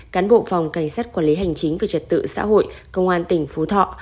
cán bộ phòng cảnh sát quản lý hành chính về trật tự xã hội công an tỉnh phú thọ